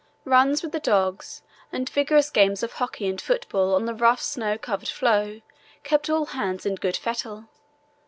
Runs with the dogs and vigorous games of hockey and football on the rough snow covered floe kept all hands in good fettle.